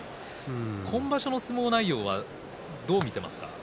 今場所の相撲内容はどう見ていますか。